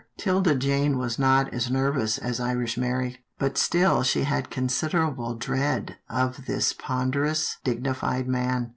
'Tilda Jane was not as nervous as Irish Mary, but still she had considerable dread of this ponder ous, dignified man.